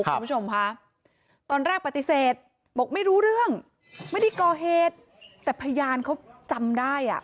คุณผู้ชมค่ะตอนแรกปฏิเสธบอกไม่รู้เรื่องไม่ได้ก่อเหตุแต่พยานเขาจำได้อ่ะ